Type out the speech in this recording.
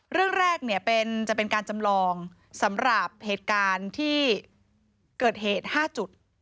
เรื่องแรกเนี่ยจะเป็นการจำลองสำหรับเหตุการณ์ที่เกิดเหตุ๕จุด